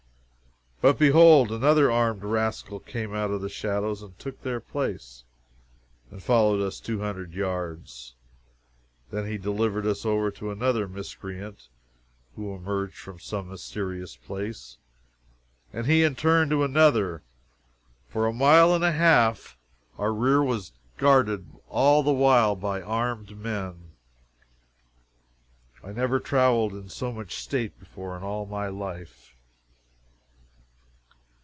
But behold, another armed rascal came out of the shadows and took their place, and followed us two hundred yards. Then he delivered us over to another miscreant, who emerged from some mysterious place, and he in turn to another! For a mile and a half our rear was guarded all the while by armed men. I never traveled in so much state before in all my life.